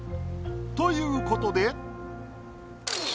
ということで。